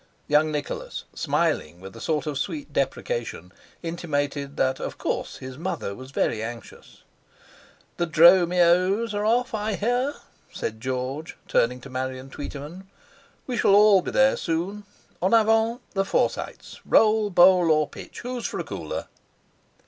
Young Nicholas, smiling with a sort of sweet deprecation, intimated that of course his mother was very anxious. "The Dromios are off, I hear," said George, turning to Marian Tweetyman; "we shall all be there soon. En avant, the Forsytes! Roll, bowl, or pitch! Who's for a cooler?"